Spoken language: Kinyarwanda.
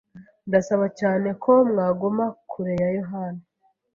Ndasaba cyane ko mwaguma kure ya Yohani.